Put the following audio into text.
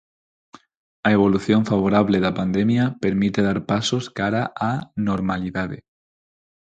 A evolución favorable da pandemia permite dar pasos cara á normalidade.